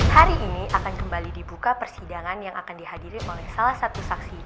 hari ini akan kembali dibuka persidangan yang akan dihadiri oleh salah satu saksi